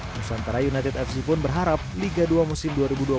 nusantara united fc pun berharap liga dua musim dua ribu dua puluh tiga dua ribu dua puluh empat